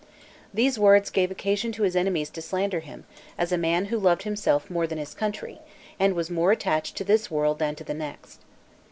These words gave occasion to his enemies to slander him, as a man who loved himself more than his country, and was more attached to this world than to the next.